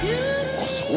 あっそう。